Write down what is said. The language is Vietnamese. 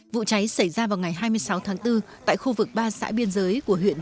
vụ cháy xảy ra vào ngày hai mươi sáu tháng bốn tại khu vực ba xã biên giới của huyện